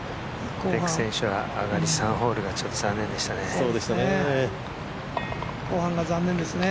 ペク選手は上がり３ホールが残念でしたね。